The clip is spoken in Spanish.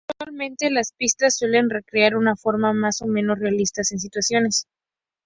Usualmente, las pistas suelen recrear de una forma más o menos realista estas situaciones.